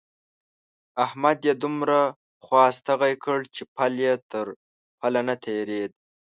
احمد يې دومره خوا ستغی کړ چې پل يې تر پله نه تېرېد.